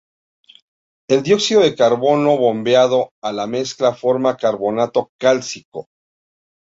El dióxido de carbono bombeado a la mezcla forma carbonato cálcico.